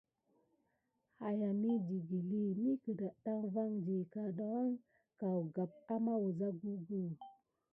Aya midi guəli mi kədaɗɗan vandi kay ɓa vi kawgap ana wəza guguhə.